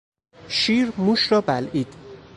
شیر موش را بلعید.